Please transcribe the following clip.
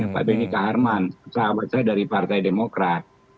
pak benny kaharman sahabat saya dari partai demokrat